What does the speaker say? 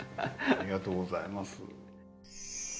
ありがとうございます。